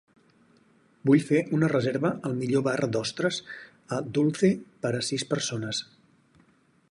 Vull fer una reserva al millor bar d'ostres a Dulce per a sis persones.